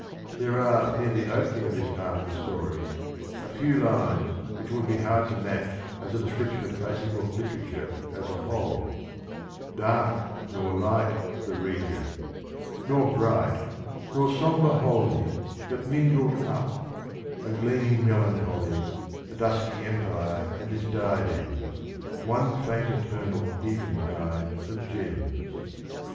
There are near the opening of this part of the story a few lines which it would be hard to match as a description of classi cal literature as a whole : Dark, nor light, The region : nor bright, nor sombre wholly, But mingled up ; a gleaming melancholy , A dusky empire and its diadems ; One faint eternal eventide of gems.